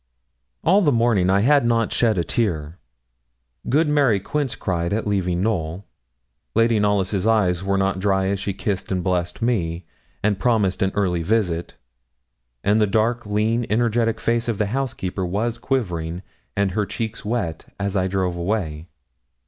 All the morning I had not shed a tear. Good Mary Quince cried at leaving Knowl; Lady Knollys' eyes were not dry as she kissed and blessed me, and promised an early visit; and the dark, lean, energetic face of the housekeeper was quivering, and her cheeks wet, as I drove away.